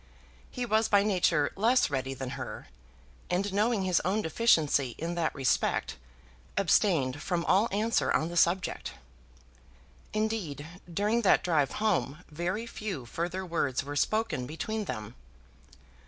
He was by nature less ready than her, and knowing his own deficiency in that respect, abstained from all answer on the subject. Indeed, during that drive home very few further words were spoken between them.